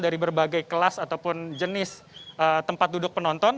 dari berbagai kelas ataupun jenis tempat duduk penonton